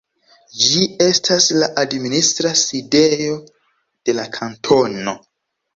Ĝi estas la administra sidejo de la kantono.